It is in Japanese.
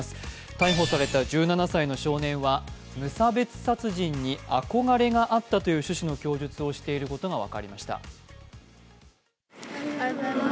逮捕された１７歳の少年は無差別殺人に憧れがあったという趣旨の供述をしていることが分かりました。